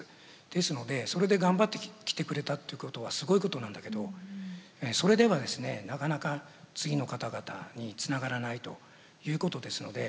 ですのでそれで頑張ってきてくれたということはすごいことなんだけどそれではですねなかなか次の方々につながらないということですので。